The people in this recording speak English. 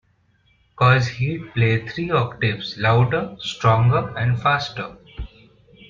Cause he'd play three octaves, louder, stronger and faster.